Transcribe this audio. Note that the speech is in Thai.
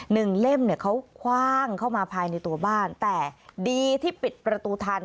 เล่มเนี่ยเขาคว่างเข้ามาภายในตัวบ้านแต่ดีที่ปิดประตูทัน